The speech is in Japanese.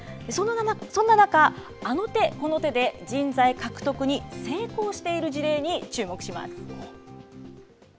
そんな中、あの手この手で人材獲得に成功している事例に注目します。